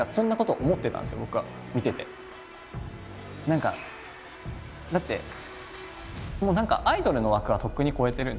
何かだってもう何かアイドルの枠はとっくに超えてるので。